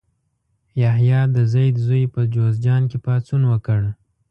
یحیی د زید زوی په جوزجان کې پاڅون وکړ.